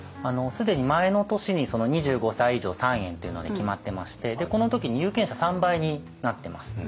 既に前の年に２５歳以上３円っていうので決まってましてこの時に有権者３倍になってます。